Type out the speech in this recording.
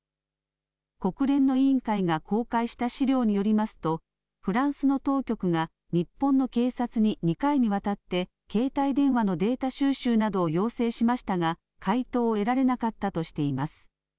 国連の委員会が公開した資料によりますと、フランスの当局が日本の警察に２回にわたって、携帯電話のデータ収集などを要請しましたが、回答を得られなかったとしています。